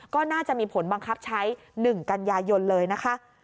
ก็น่าจะมีผลบังคับใช้๑กันยายนเลยนะคะ